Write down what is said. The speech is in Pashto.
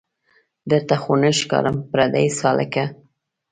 درته خو نه ښکارم پردۍ سالکه